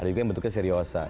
ada juga yang bentuknya seriosa